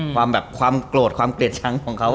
ความแบบความโกรธความเกลียดชังของเขา